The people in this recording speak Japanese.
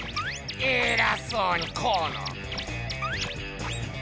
えらそうにこの！